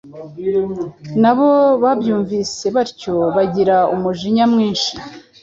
Na bo babyumvise batyo bagira umujinya mwinshi,